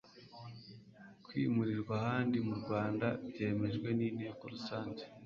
kwimurirwa ahandi mu rwanda byemejwe n'inteko rusange